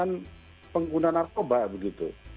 tahanan pengguna narkoba begitu